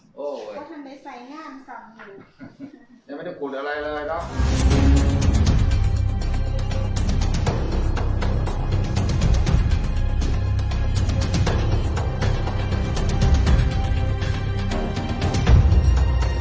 ก็ทำไมใส่งานกลางหรอยังไม่ได้ขุดอะไรเลยเนอะ